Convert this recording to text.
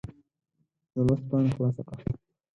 د لوست پاڼه خلاصه کړه.